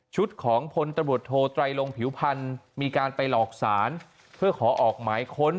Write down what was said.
ของพลตำรวจโทไตรลงผิวพันธ์มีการไปหลอกศาลเพื่อขอออกหมายค้น